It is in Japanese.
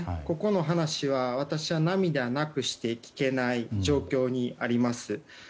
ここの話は、私は涙なくして聞けない状況にあります。